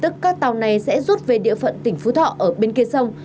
tức các tàu này sẽ rút về địa phận tỉnh phú thọ ở bên kia sông